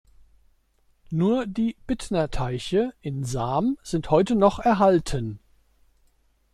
Nur die "Bittner-Teiche" in Sam sind heute noch erhalten.